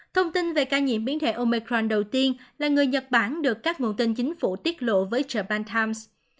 thông tin về ca nhiễm biến thể omicron đầu tiên là người nhật bản được các nguồn tin chính phủ tiết lộ với japan times